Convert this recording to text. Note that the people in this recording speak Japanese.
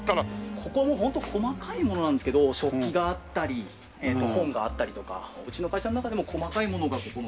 ここもホント細かいものなんですけど食器があったり本があったりとかうちの会社の中でも細かいものがここの倉庫に入ってます。